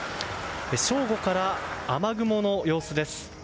正午から、雨雲の様子です。